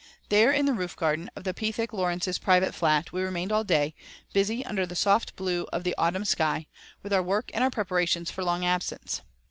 There, in the roof garden of the Pethick Lawrence's private flat, we remained all day, busy, under the soft blue of the autumn sky, with our work and our preparations for a long absence.